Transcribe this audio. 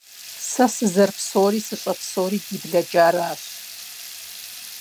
Сэ сызэрыпсэури сыщыпсэури ди блэкӀар аращ.